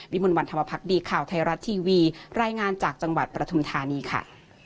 มนต์วันธรรมพักดีข่าวไทยรัฐทีวีรายงานจากจังหวัดปฐุมธานีค่ะ